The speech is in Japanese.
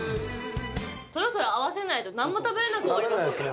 そろそろ合わせないとなんも食べられなくなりますよ。